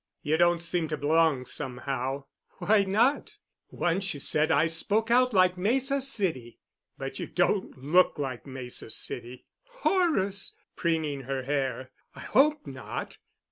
You don't seem to belong, somehow." "Why not? Once you said I spoke out like Mesa City." "But you don't look like Mesa City." "Horrors!" preening her hair, "I hope not."